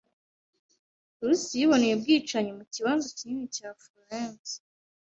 Lucy yiboneye ubwicanyi mu kibanza kinini cya Florence.